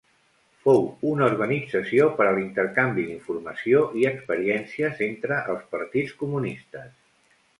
Fou una organització per a l'intercanvi d'informació i experiències entre els partits comunistes.